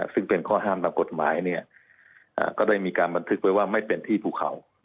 ซึ่งเป็นข้อห้ามตามกฎหมายก็ได้มีการบันทึกไว้ว่าไม่เป็นที่ภูเขา